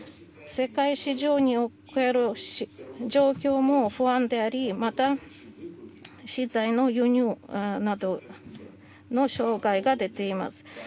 世界市場における状況も不安でありまた、資材の輸入などの障害が出ています。